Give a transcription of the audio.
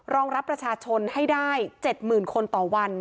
รองรับประชาชนให้ได้๗๐๐๐คนต่อวัน